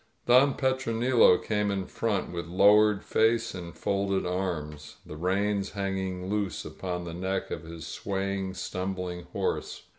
Don Petronilo came in front, with lowered face and folded arms, the reins hanging loose upon the neck of his swaying, stumbUng horse.